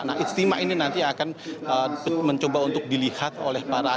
nah istimewa ini nanti akan mencoba untuk dilihat oleh para ahli